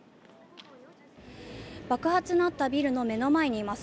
爆発のあったビルの目の前にいます。